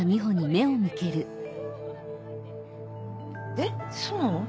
えっそうなの？